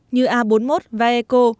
như a bốn mươi một và eco